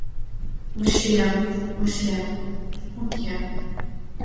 Вучем, вучем — уке.